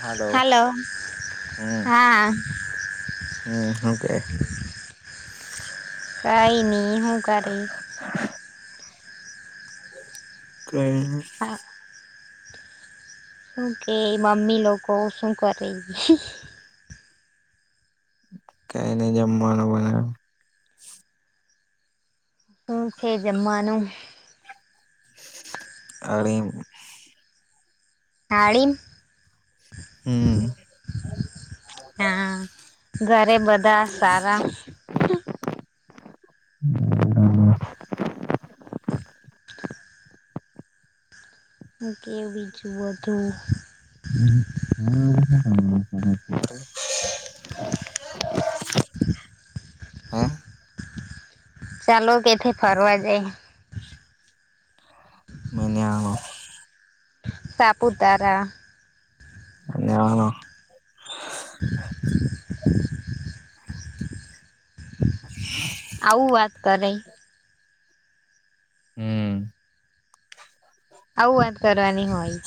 હાલો હમ્મ હા હું કે? કઈ ન હું કરે. [unintelligible] [unintelligible] શું કે મમ્મી લોકો શું કરે? કઈ નઈ જમવાનું બને. હું છે જમવાનું? અને. [unintelligible] હમ હા ઘરે બધા સારા હું કેવ બીજું બધું બમ [unintelligible] હે ચાલો કેથી ફરવા જાયે મને આવ સાપુતારા ની આવાનો [inaudible] [inaudible] [unintelligible] આવું વાત કરાય હમ આવું વાત કરવાની હોય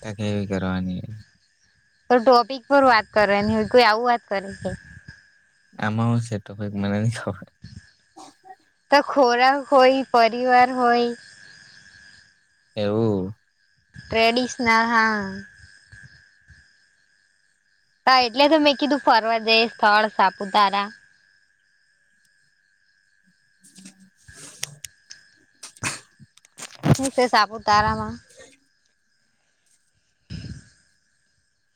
ત કેવી કરવાની તો ટોપિક પર વાત કરવાની હોય કોઈ આવું વાત કરે આમા હું છે ટપિક મને ની ખબર તો ખોરાક હોય પરી વાર હોય એવું ટ્રેડિશનલ હા હા એટલે તો મેં કીધું ફરવા જઈએ સ્થળ સાપુતારા [inaudible] હું શે સાપુતારામાં [inaudible]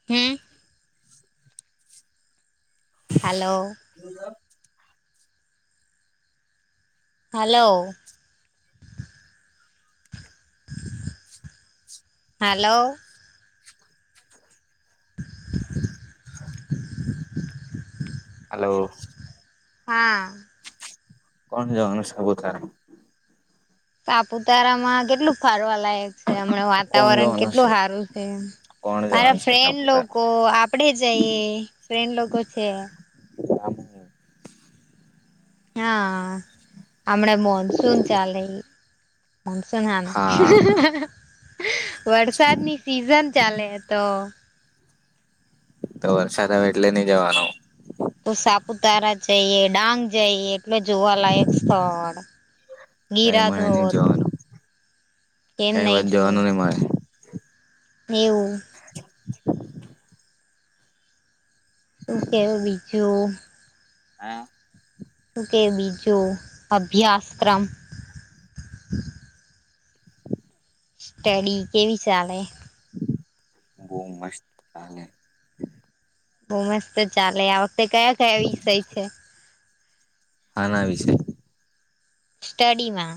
હમ હાલો કું લા હાલો હાલો [unintelligible] હાલો હા કોણ જવાનું સાપુતારા સાપુતારામાં કેટલું ફારવા લાયક છે હમણાં કોણ વાતાવરણ જવાનું છે કેટલું હારું છે કોણ જવાનું મારા છે ફ્રેન્ડ સાપુતારા લોકો આપડે જઈએ ફ્રેન્ડ લોકો છે [unintelligible] હા હમણા મોનસૂન ચાલે સનું હા વરસાદની સિઝન ચાલે તો તો વર્ષાર એટલે નઈ જવાનો? કો સાપુતારા જઇએ ડાંગ જઇએ. મે જોવા લાયક સ્થળ કઈ મળે નઈ ગીરાધોધ જવાનું કેમ કઈ નહી વાત જોવું જવાનું નહી મારે એવું શું કેવ બીજું હા શું કેય બીજું અભ્યાસક્રમ સ્ટડી કેવી ચાલે બો મસ્ત ચાલે બોમસ તો ચાલે આ વખતે કયા કયા વિષય છે? આના વિશે. સ્ટડીમાં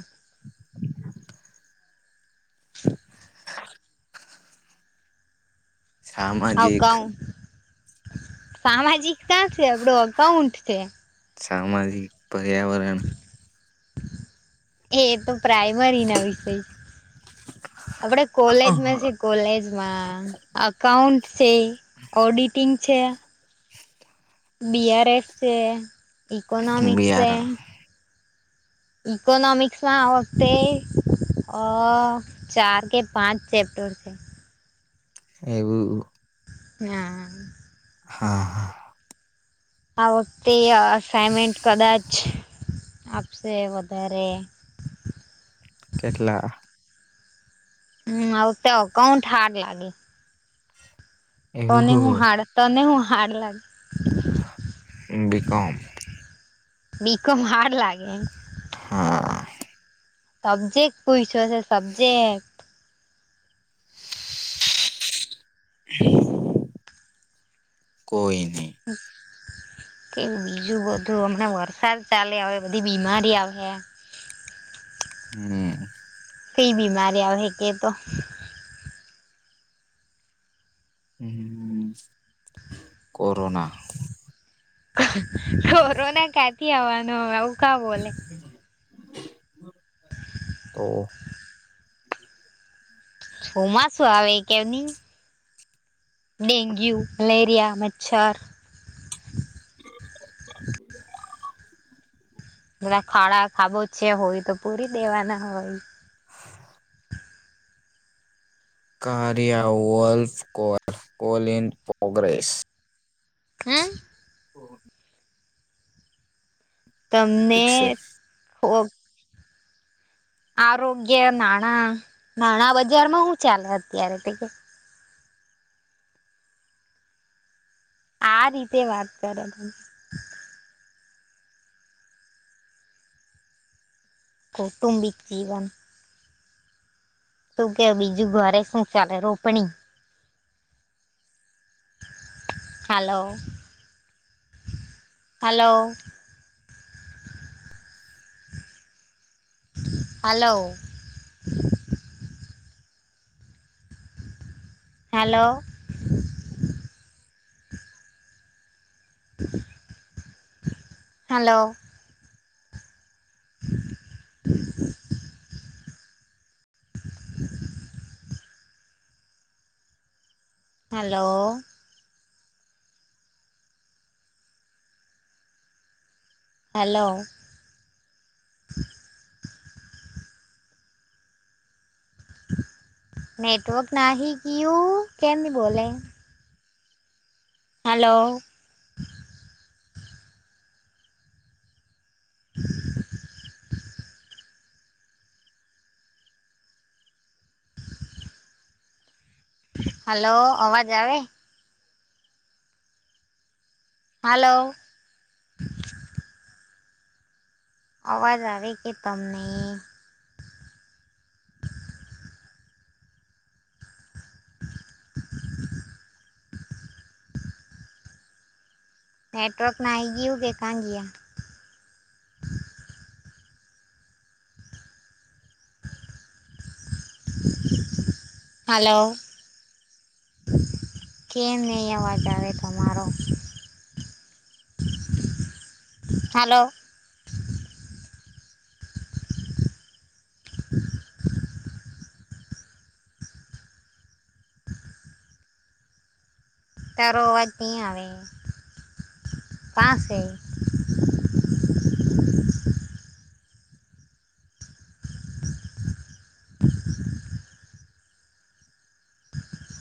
સામાજિક અકાઉન્ટ સામાજિક કા છે? આપડો અઉન્ટ છે. સામાજિક, પર્યાવરણ એ એ તો પ્રાઈમરી ના વિષય આપડ કોલેજમાં શ કોલેજમાં અઉન્ટ છે, ઓડિટિંગ છે. બીઆર એસ છે, ઇકોનોમિક્સ છે. બિયારણ ઇકોનોમિક્સમાં આ વખતે અ ચાર કે પાંચ ચેપ્ટર છેવ એવું હા હા હા આ વખતે અસાઈમેન્ટ કદાચ આપશે વધારે કેટલા? હમ હ તો કઉ ઠારડ લાગે. એવું તને હું હારડ તને હું હાર્ડ લાગે? બી. કોમ બીકો હાર ડ લાગે. હા તબજે પૂઈછો છે સબજેકટ હ કોઈ નહી. એક કે બીજું બધું હમણાં વરસાદ ચાલે આવે બધી બીમારી આવે. હમ કઈ બીમારી આવે કે તો? હ હ કોરોના, કોરોના ક્યાંથી આવવાનું આવું ક બોલે? તો હુંમા શું આવે કેમની? ડેન્ગ્યુ, મલેરિયા, મચ્છાર ખાડા ખાબો છે હોય તો પૂરી દેવાના હોય. હા કારિયા વલ્ફ કો કોલીિન પ્રોગ્રેસ હમમ ઓ [inaudible] તમને પિક્સેલ [inaudible] આરોગ્ય, નાણા નાણા બજારમાં હું ચાલે અત્યારે તે કે? આ રીતે વાત કરે ત કૌટુંમબિક જીવન તું કે બીજું ઘરે શું ચાલે રોપણી? Hello hello! Hello? Hello! Hello! હ [inaudible] હલો! હલો. નેટવર્ક નાહી ગીયુ. કેમ ની બોલે? હલો. [inaudible] હલો અવાજ આવે? હાલો. અવાજ આવે કે તમને? નેટવર્ક નાહિ ગીયુ કે કા ગીયા? હલો. કેમ ની અવાજ આવે તમારો? હલો. [inaudible] તારો અવાજ ની આવે. કા સે?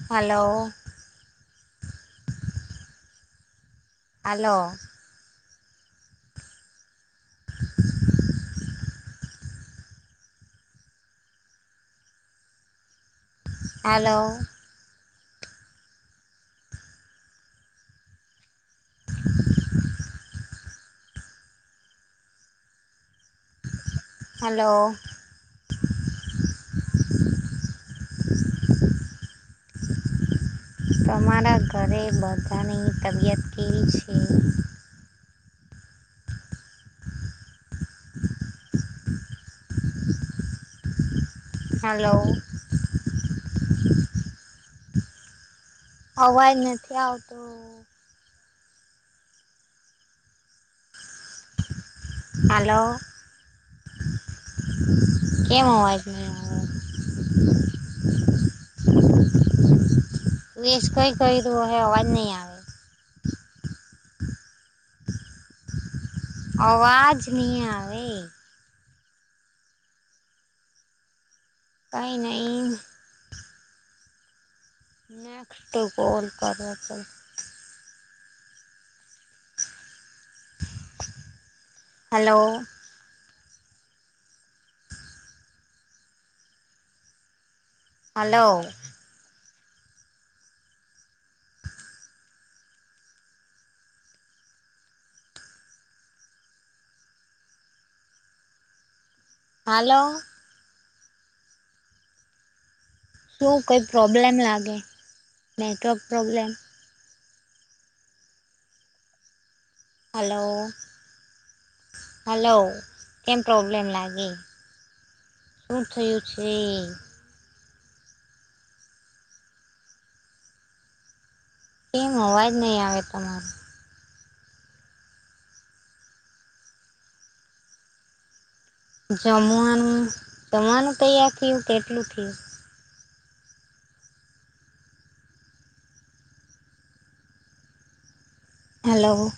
હલો. હાલો. [inaudible] હાલો. હલો. તમારા ઘરે બધાની તબિયત કેવી છે? હલો. અવાજ નથી આવતો. હાલો. કેમ અવાજ ની આવે? મિસ કઈ કર્યું અહે અવાજ ની આવે. અવાજ ની આવે. કય નય. નેક્સ્ટ ગોલ કરવો તો. હલો. હલો. હલો. શું કંઈ પ્રોબ્લેમ લાગે નેટવર્ક પ્રોબ્લેમ? Hello hello. કેમ પ્રોબ્લેમ લાગે? ઉઠું છે. એમ અવાજ નય આવે તમારો. જમવાનું જવાનું તૈયાર થયું કેટલું થીયુ? Hello.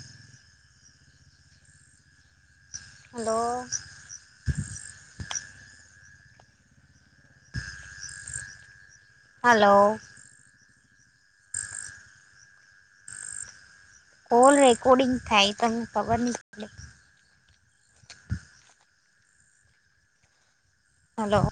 Hello. Hello. Call recording થાય તને ખબર નહીં હલો.